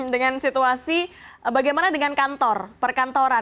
dengan situasi bagaimana dengan kantor perkantoran